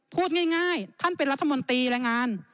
พูดง่ายท่านเป็นรัฐมนตรีแรงงาน